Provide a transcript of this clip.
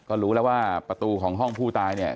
ก็รู้แล้วว่าประตูของห้องผู้ตายเนี่ย